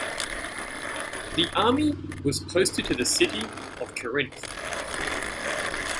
The army was posted to the city of Corinth.